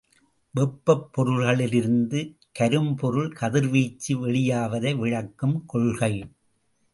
வெப்பப் பொருள்களிலிருந்து கரும்பொருள் கதிர்வீச்சு வெளியாவதை விளக்கும் கொள்கை.